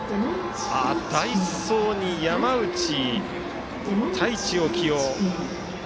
代走に山内太智を起用。